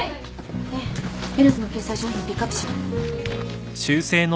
でエルズの掲載商品ピックアップしよう。